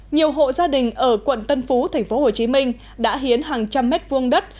nhiều hộ gia đình ở quận tân phú tp hcm đã hiến hàng trăm mét vuông đất